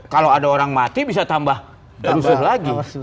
kalau ada orang mati bisa tambah rusuh lagi